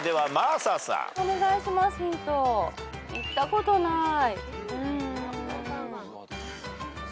行ったことない。